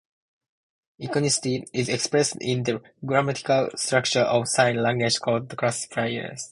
Iconicity is expressed in the grammatical structure of sign languages called classifiers.